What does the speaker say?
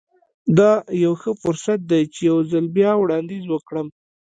دا يو ښه فرصت دی چې يو ځل بيا وړانديز وکړم.